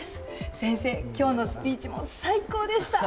先生、きょうのスピーチも最高でした。